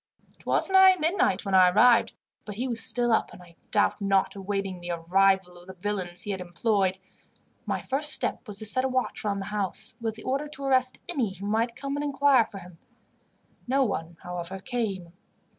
"It was nigh midnight when I arrived, but he was still up, and I doubt not awaiting the arrival of the villains he had employed. My first step was to set a watch round the house, with the order to arrest any who might come and inquire for him. No one, however, came.